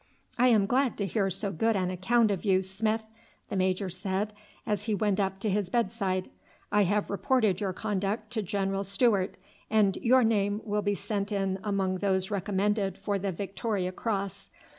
"I am glad to hear so good an account of you, Smith," the major said as he went up to his bedside. "I have reported your conduct to General Stewart, and your name will be sent in among those recommended for the Victoria Cross.